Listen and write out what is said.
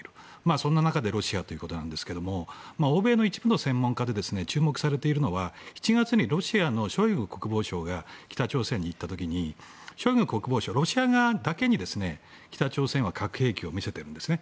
そんな中でロシアということですが欧米の一部の専門家で注目されているのは７月にロシアのショイグ国防相が北朝鮮に行った時にショイグ国防相はロシア側だけに北朝鮮は核兵器を見せているんですね。